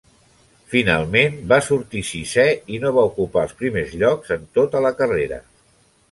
Finalment va sortir sisè i no va ocupar els primers llocs en tota la carrera.